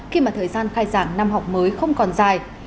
khi mà thời gian khai giảng năm học mới không còn dài